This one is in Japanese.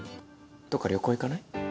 どっか旅行行かない？